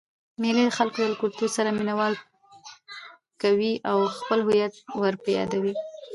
مېلې خلک له کلتور سره مینه وال کوي او خپل هويت ور په يادوي.